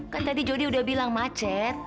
kan tadi jody udah bilang macet